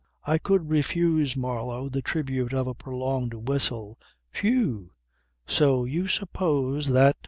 " I couldn't refuse Marlow the tribute of a prolonged whistle "Phew! So you suppose that